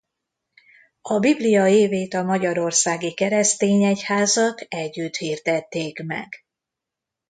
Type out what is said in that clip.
A Biblia évét a magyarországi keresztény egyházak együtt hirdették meg.